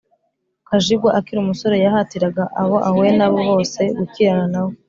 Kajwiga akiri umusore yahatiraga abo ahuye nab o bose gukirana na we